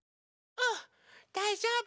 うんだいじょうぶ。